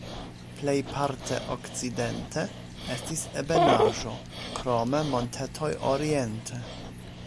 Plejparte okcidente estis ebenaĵo, krome montetoj oriente.